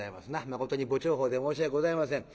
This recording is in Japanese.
まことに不調法で申し訳ございません。